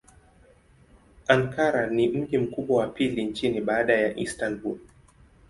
Ankara ni mji mkubwa wa pili nchini baada ya Istanbul.